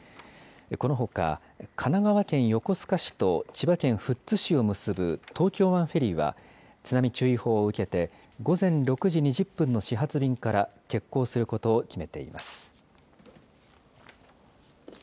このほか、神奈川県横須賀市と千葉県富津市を結ぶ東京湾フェリーは、津波注意報を受けて、午前６時２０分の始発便から欠航することを決めています。